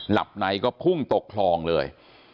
หลับในก็พุ่งตกคลองเลย